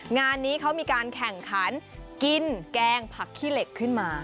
งานนี้เขามีการแข่งขันกินแกงผักขี้เหล็กขึ้นมา